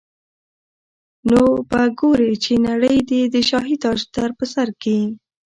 نو به ګورې چي نړۍ دي د شاهي تاج در پرسر کي